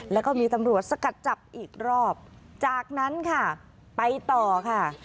แล้วก็มีตำรวจสกัดจับอีกรอบจากนั้นค่ะไปต่อค่ะ